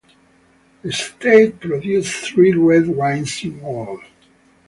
The estate produces three red wines in all.